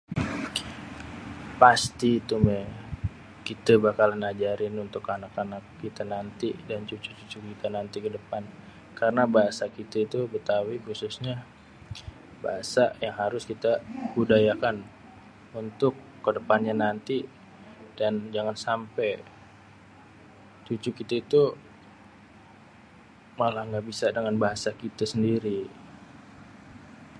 Pasti itu méh kité bakalan akan ajarin untuk anak-anak kité nanti dan cucu-cucu kité nanti kedepan, karna bahasé kité tuh Bétawi khususnyé, bahasa yang harus kité budayakan, untuk kedepannya nanti dan jangan sampé, cucu kité itu, malah gabisa dengan bahasa kité sendiri.